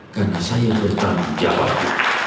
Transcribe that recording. karena saya bertanggung jawab